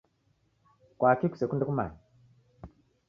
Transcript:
Kwaki kusekunde kumanya?